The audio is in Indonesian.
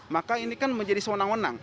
maka ini kan menjadi sewenang wenang